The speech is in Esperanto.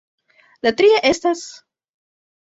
La tria estas...